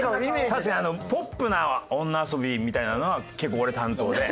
確かにポップな女遊びみたいなのは結構俺担当で。